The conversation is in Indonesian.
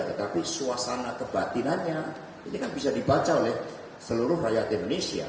tetapi suasana kebatinannya ini kan bisa dibaca oleh seluruh rakyat indonesia